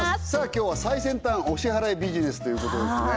今日は最先端お支払いビジネスということですね